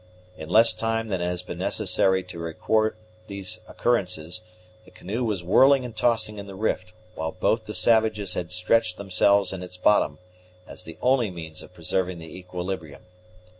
In less time than has been necessary to record these occurrences, the canoe was whirling and tossing in the rift, while both the savages had stretched themselves in its bottom, as the only means of preserving the equilibrium.